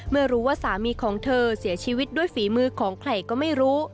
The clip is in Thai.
เมื่อรู้ว่าสามีของเธอเสียชีวิตด้วยฝีมือของใครก็ไม่รู้